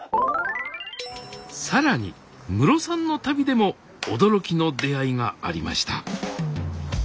更にムロさんの旅でも驚きの出会いがありました。